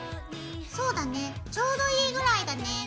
そうだねちょうどいいぐらいだね。